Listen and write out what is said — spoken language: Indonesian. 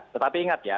tetapi ingat ya